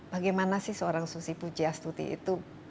bagaimana sih seorang susi pujastuti itu